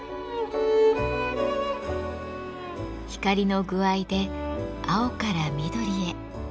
光の具合で青から緑へ。